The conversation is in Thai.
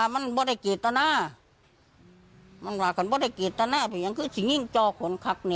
ใช่ค่ะแต่มันก็เป็นเรื่องด้วยนะครับ